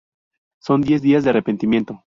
Son diez días de arrepentimiento.